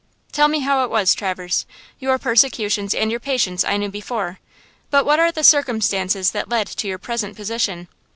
"Tell me how it was, Traverse. Your persecutions and your patience I knew before, but what are the circumstances that led to your present position?